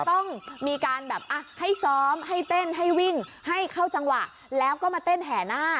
ต้องมีการแบบให้ซ้อมให้เต้นให้วิ่งให้เข้าจังหวะแล้วก็มาเต้นแห่หน้า